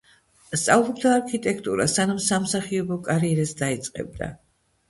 სწავლობდა არქიტექტურას სანამ სამსახიობო კარიერას დაიწყებდა.